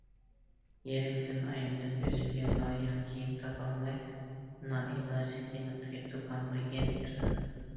يېرىم كۈن ئايلىنىپ ئۆزۈمگە لايىق كىيىم تاپالماي، نائىلاج ھېلىقى دۇكانغا يەنە كىردىم.